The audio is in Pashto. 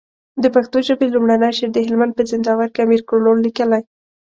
د پښتو ژبي لومړنی شعر د هلمند په زينداور کي امير کروړ ليکلی